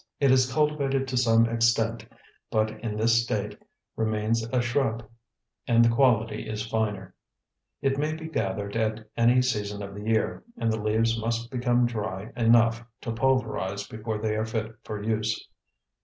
It is cultivated to some extent, but in this state remains a shrub, and the quality is finer. It may be gathered at any season of the year, and the leaves must become dry enough to pulverize before they are fit for use.